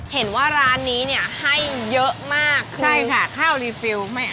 เห็นว่าร้านนี้ให้เยอะมากใช่ค่ะข้าวรีฟิลไม่อ้าง